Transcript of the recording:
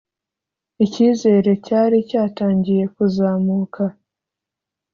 icyizere cyari cyatangiye kuzamuka